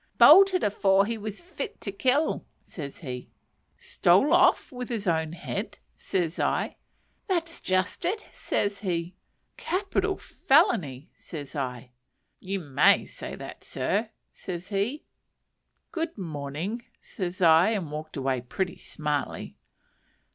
"Bolted afore he was fit to kill," says he. "Stole off with his own head?" says I. "That's just it," says he. "Capital felony!" says I. "You may say that, sir," says he. "Good morning," said I, and walked away pretty smartly.